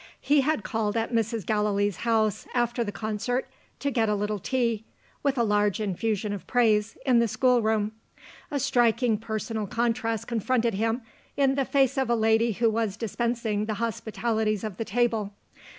He had called at Mrs. Gallilee's house, after the concert, to get a little tea (with a large infusion of praise) in the schoolroom. A striking personal contrast confronted him, in the face of the lady who was dispensing the hospitalities of the table.